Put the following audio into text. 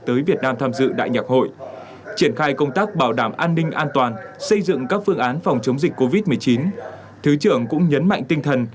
tới việt nam tham dự đại nhạc hội triển khai công tác bảo đảm an ninh an toàn